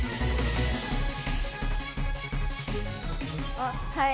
あっはい！